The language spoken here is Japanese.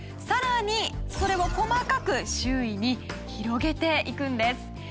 さらにそれを細かく周囲に広げていくんです。